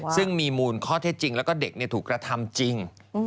ซึ่งมีมูลข้อเท็จจริงแล้วก็เด็กถูกกระทำจริง